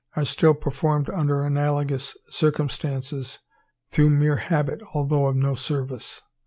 are still performed under analogous circumstances through mere habit although of no service.